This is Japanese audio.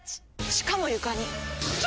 しかも床に超！